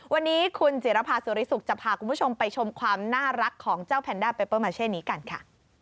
วันนี้คุณจิรภาสุริสุขจะพาคุณผู้ชมไปชมความน่ารักของเจ้าแพนด้าเปเปอร์มาเช่นนี้กันค่ะ